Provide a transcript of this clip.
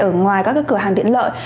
ở ngoài các cửa hàng tiện lợi